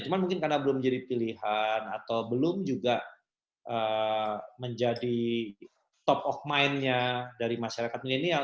cuma mungkin karena belum jadi pilihan atau belum juga menjadi top of mind nya dari masyarakat milenial